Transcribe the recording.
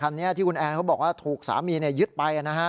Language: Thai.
คันนี้ที่คุณแอนเขาบอกว่าถูกสามียึดไปนะฮะ